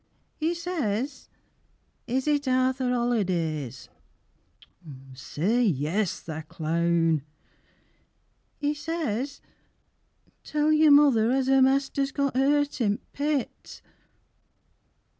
'E says "Is it Arthur Holliday's?" Say "Yes," tha clown. 'E says, "Tell your mother as 'er mester's Got hurt i' th' pit."